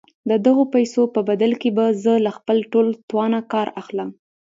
د دغو پيسو په بدل کې به زه له خپل ټول توانه کار اخلم.